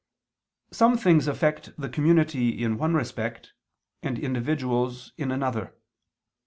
Some things affect the community in one respect, and individuals in another.